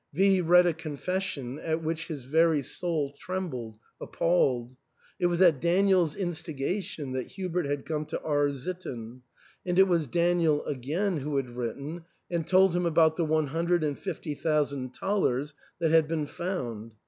V read a confession at which his very soul trembled, appalled. It was at Daniel's instigation that Hubert had come to R — sitten ; and it was Daniel again who had written and told him about the one hundred and fifty thousand thalers that had been found.